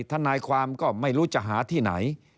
ทนายความก็ไม่รู้จะหาที่ไหน